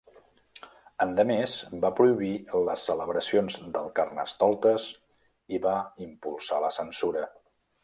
Endemés va prohibir les celebracions del carnestoltes i va impulsar la censura.